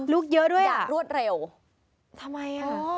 เยอะด้วยอย่างรวดเร็วทำไมอ่ะ